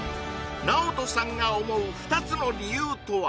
ＮＡＯＴＯさんが思う２つの理由とは？